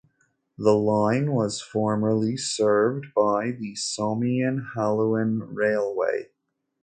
The line was formerly served by the Somain-Halluin Railway.